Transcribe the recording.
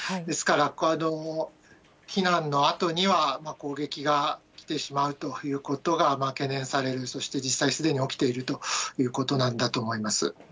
ですから、避難のあとには攻撃が来てしまうということが懸念されて、そして実際にすでに起きているということなんだと思います。